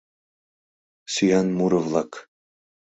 СӰАН МУРО-ВЛАК.